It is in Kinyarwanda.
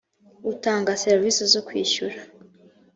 utanga serivisi zo kwishyura